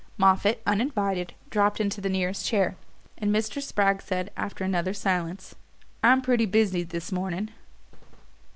Moffatt, uninvited, dropped into the nearest chair, and Mr. Spragg said, after another silence: "I'm pretty busy this morning."